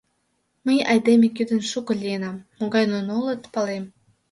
Мый айдеме кӱдынь шуко лийынам, могай нуно улыт, палем.